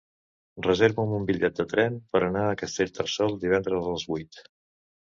Reserva'm un bitllet de tren per anar a Castellterçol divendres a les vuit.